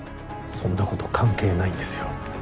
そんなこと関係ないんですよ